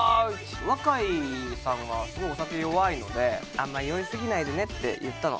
若井さんはすごいお酒弱いので「あんまり酔いすぎないでね」って言ったの。